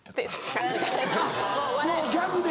あっもうギャグで。